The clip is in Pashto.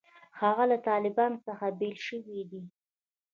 هغه له طالبانو څخه بېل شوی دی.